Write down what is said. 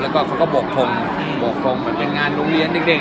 แล้วก็เค้าก็บกคมเป็นงานโรงเรียนเด็ก